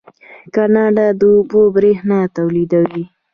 کاناډا د اوبو بریښنا تولیدوي.